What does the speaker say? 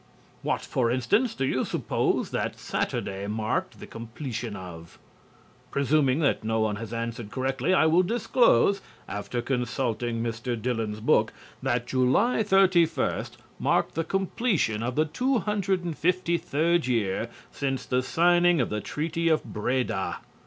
What, for instance, do you suppose that Saturday marked the completion of?... Presuming that no one has answered correctly, I will disclose (after consulting Mr. Dillon's book) that July 31 marked the completion of the 253d year since the signing of the Treaty of Breda.